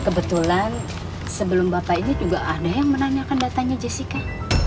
kebetulan sebelum bapak ini juga aneh yang menanyakan datanya jessica